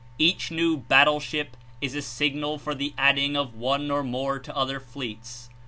Each new battleship is a signal for the adding of one or more to other fleets.